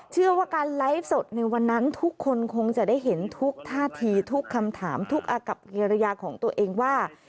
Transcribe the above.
เชื่อว่าการไลฟ์สดในวันนั้นทุกคนคงจะได้เห็นทุกท่าทีทุกคำถามทุกอากับกิริยาของตัวเองว่า